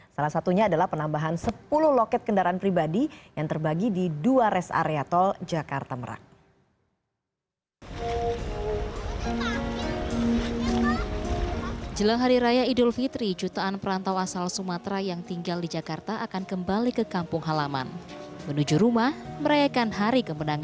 salah satunya adalah penambahan sepuluh loket kendaraan pribadi yang terbagi di dua res areatol jakarta merak